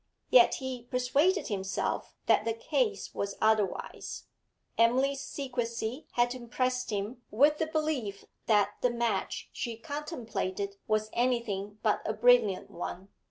Yet he persuaded himself that the case was otherwise; Emily's secrecy had impressed him with the belief that the match she contemplated was anything but a brilliant one.